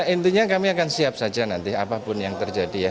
intinya kami akan siap saja nanti apapun yang terjadi ya